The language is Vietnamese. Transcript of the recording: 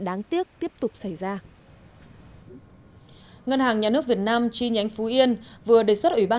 đáng tiếc tiếp tục xảy ra ngân hàng nhà nước việt nam chi nhánh phú yên vừa đề xuất ủy ban